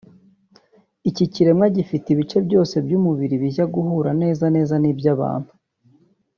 Iki kiremwa gifite ibice byose by’umubiri bijya guhura neza neza n’iby’umuntu